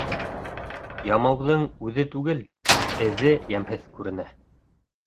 Ямауҙың үҙе түгел, эҙе йәмһеҙ күренә.